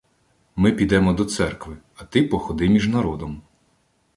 Ми підемо до церкви, а ти походи між народом.